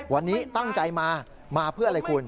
วันนี้ตั้งใจมามาเพื่ออะไรคุณ